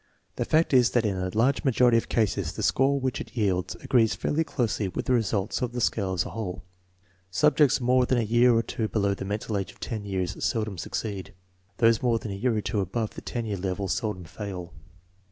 The fact is that in a large majority of cases the score which it yields agrees fairly closely with the result of the scale as a whole. Subjects more than a year or two below the mental age of 10 years seldom succeed. Those more than a year or two above the 10 year level seldom fail.